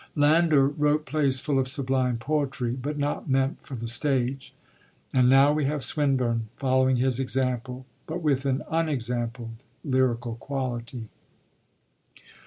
Landor wrote plays full of sublime poetry, but not meant for the stage; and now we have Swinburne following his example, but with an unexampled lyrical quality.